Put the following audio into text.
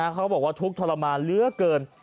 เขาบอกว่าทุกข์ทรมานเหลือเกิน